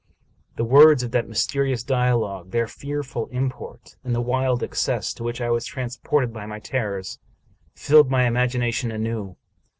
The words of that mysterious dialogue, their fearful import, and the wild excess to which I was transported by my terrors, filled my imagination anew.